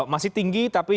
masih tinggi tapi